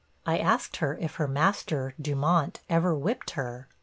I asked her if her master, Dumont, ever whipped her?